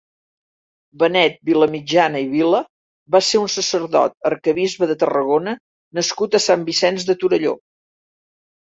Benet Vilamitjana i Vila va ser un sacerdot, arquebisbe de Tarragona nascut a Sant Vicenç de Torelló.